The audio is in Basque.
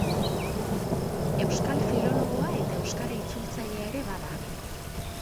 Euskal filologoa eta euskara itzultzailea ere bada.